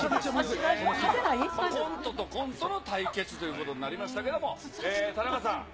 コントとコントの対決ということになりましたけども、田中さん。